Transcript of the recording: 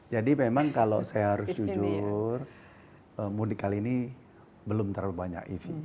jadi memang kalau saya harus jujur mudik kali ini belum terlalu banyak ev